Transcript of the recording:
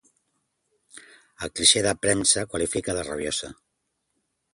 el clixé de premsa qualifica de rabiosa